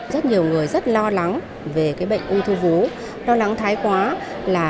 rất nhiều người rất lo lắng về bệnh ung thư vú lo lắng thái quá